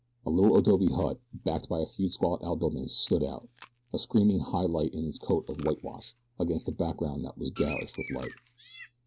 A little adobe hut, backed by a few squalid outbuildings, stood out, a screaming high light in its coat of whitewash, against a background that was garish with light.